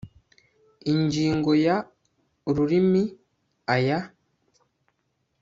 Ingingo ya Ururimi aya